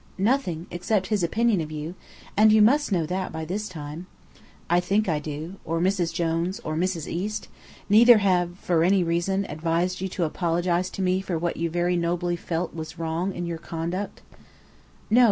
"Nothing, except his opinion of you. And you must know that, by this time." "I think I do. Or Mrs. Jones or Mrs. East? Neither have for any reason advised you to apologize to me for what you very nobly felt was wrong in your conduct?" "No.